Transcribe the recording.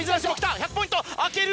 １００ポイント開ける！